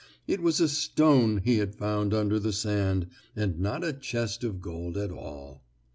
It was a stone he had found under the sand and not a chest of gold at all.